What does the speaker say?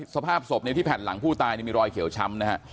สภาพศพที่แผ่นหลังผู้ตายมีรอยเขียวช้ำนะฮะ